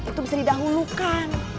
itu bisa didahulukan